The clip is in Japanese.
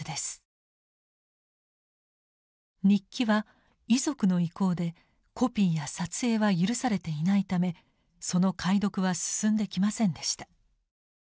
日記は遺族の意向でコピーや撮影は許されていないためその解読は進んできませんでした。